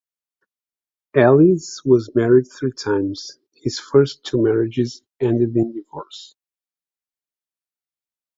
Ailes was married three times; his first two marriages ended in divorce.